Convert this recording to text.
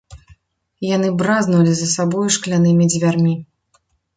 Яны бразнулі за сабою шклянымі дзвярмі.